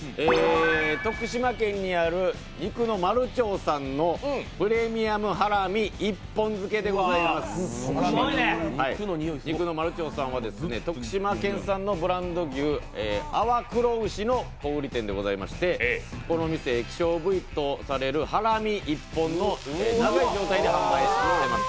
徳島県にある肉の丸長さんのプレミアムハラミ１本漬けでございます肉の丸長さんは徳島県産のブランド牛、阿波黒牛の小売店でございましてこの店、希少部位とされるハラミ１本を長い状態で販売します。